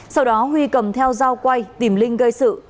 sau đó huy cầm theo dao quay tìm linh gây sự